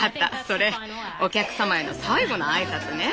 それお客様への最後の挨拶ね。